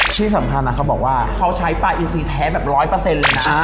ที่สำคัญเขาบอกว่าเขาใช้ปลาอินซีแท้แบบร้อยเปอร์เซ็นต์เลยนะ